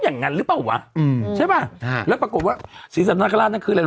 แล้วกลายเป็นว่าแค่สร้างพญานาคสีศัพท์นคราชอันเดียว